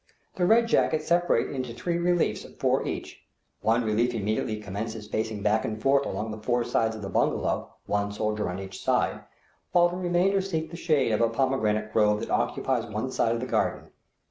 The red jackets separate into three reliefs of four each; one relief immediately commences pacing back and forth along the four sides of the bungalow, one soldier on each side, while the remainder seek the shade of a pomegranate grove that occupies one side of the garden.